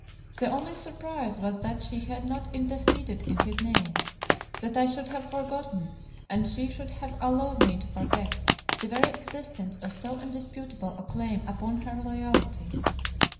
The only surprise was that she had not interceded in his name; that I should have forgotten, and she should have allowed me to forget, the very existence of so indisputable a claim upon her loyalty.